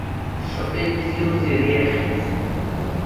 Шаҟа ибзиоузеи ари ахьӡ!